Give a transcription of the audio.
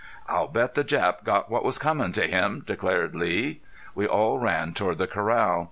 "I'll bet the Jap got what was coming to him," declared Lee. We all ran toward the corral.